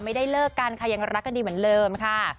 ไม่ได้เลิกกันค่ะยังรักกันดีเหมือนเดิมค่ะ